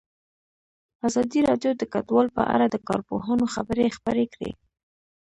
ازادي راډیو د کډوال په اړه د کارپوهانو خبرې خپرې کړي.